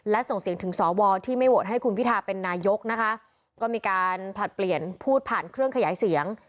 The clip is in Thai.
และส่งเสียงถึงสวที่ไม่โหวตให้คุณพิทาเป็นนายกนะคะก็มีการผลัดเปลี่ยนพูดผ่านเครื่องขยายเสียง